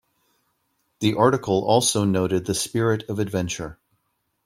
The article also noted the spirit of adventure.